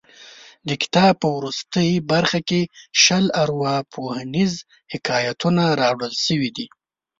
د کتاب په وروستۍ برخه کې شل ارواپوهنیز حکایتونه راوړل شوي دي.